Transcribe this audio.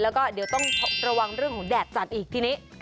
แล้วก็เดี๋ยวต้องระวังเรื่องของแดดจัดอีกทีนี้